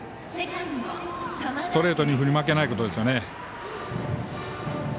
ストレートに振り負けないことですね。